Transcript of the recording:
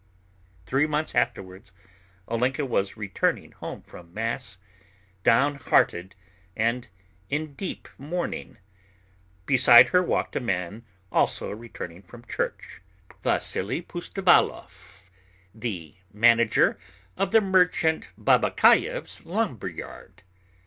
Three months afterwards Olenka was returning home from mass, downhearted and in deep mourning. Beside her walked a man also returning from church, Vasily Pustovalov, the manager of the merchant Babakayev's lumber yard.